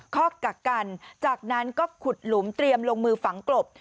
ข้อกักกันจากนั้นก็ขุดหลุมเตรียมลงมือฝังกลบ